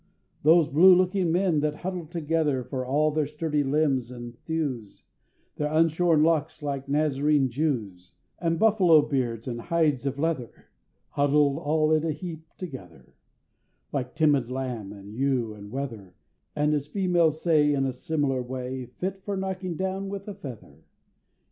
Those blue looking men that huddle together, For all their sturdy limbs and thews Their unshorn locks, like Nazarene Jews, And buffalo beards, and hides of leather, Huddled all in a heap together, Like timid lamb, and ewe, and wether, And as females say, In a similar way, Fit for knocking down with a feather!